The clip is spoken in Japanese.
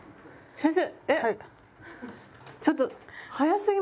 先生